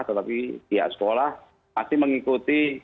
tetapi pihak sekolah masih mengikuti